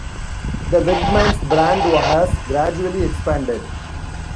The "Wegmans" brand has gradually expanded.